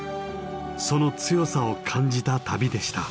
その強さを感じた旅でした。